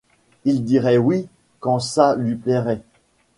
Il dirait oui, quand ça lui plairait.